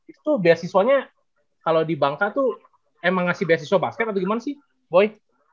itu tuh beasiswanya kalau di bangka tuh emang ngasih beasiswa basket atau gimana sih boy